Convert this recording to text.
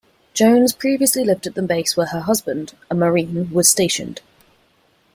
Jones previously lived at the base where her husband, a Marine, was stationed.